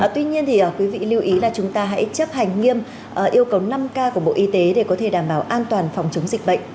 tuy nhiên thì quý vị lưu ý là chúng ta hãy chấp hành nghiêm yêu cầu năm k của bộ y tế để có thể đảm bảo an toàn phòng chống dịch bệnh